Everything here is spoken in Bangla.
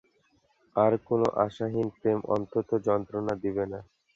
আর কোন আশাহীন প্রেম অনন্ত যন্ত্রণা দেবে না।